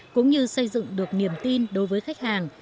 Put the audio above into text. cũng như xây dựng được niềm tin đối với khách hàng